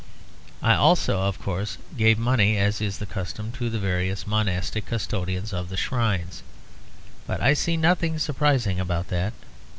I also, of course, gave money, as is the custom, to the various monastic custodians of the shrines; but I see nothing surprising about that.